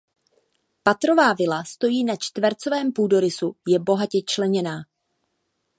Patrová vila stojí na čtvercovém půdorysu je bohatě členěná.